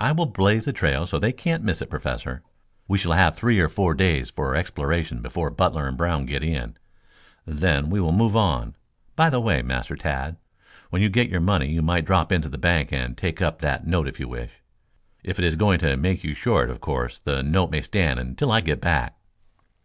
"I will blaze the trail so they can't miss it, Professor. We shall have three or four days for exploration before Butler and Brown get in, then we will move on. By the way, Master Tad, when you get your money you might drop into the bank and take up that note if you wish. If it is going to make you short, of course the note may stand until I get back."